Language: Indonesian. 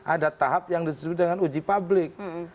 ada tahap yang disebut dengan uji publik